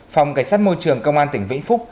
phòng cảnh sát môi trường công an tỉnh vĩnh phúc